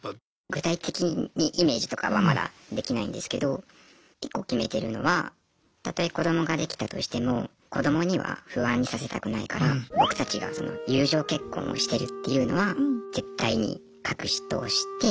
具体的にイメージとかはまだできないんですけど１個決めてるのはたとえ子どもができたとしても子どもには不安にさせたくないからっていうのは奥さんとも話してますね。